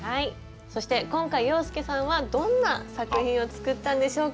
そして今回洋輔さんはどんな作品を作ったんでしょうか？